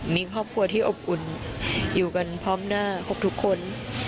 มีครอบครัวที่อบอุ่นอยู่กันพร้อมหน้าครบทุกคน